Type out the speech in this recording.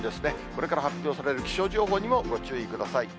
これから発表される気象情報にもご注意ください。